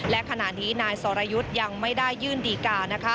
และขณะนี้นายสรยุทธ์ยังไม่ได้ยื่นดีการ